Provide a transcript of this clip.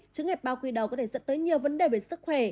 trứng hẹp bao quy đầu có thể dẫn tới nhiều vấn đề về sức khỏe